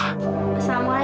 aku cuma tahu namanya